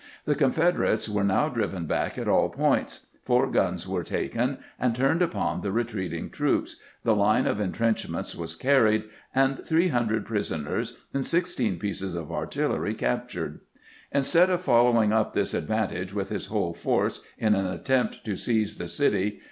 The Confederates were now driven back at all points, four guns were taken and turned upon the retreating troops, the line of intrenchments was carried, and three hun dred prisoners and sixteen pieces of artillery captured. Instead of following up this advantage with his whole force in an attempt to seize the city.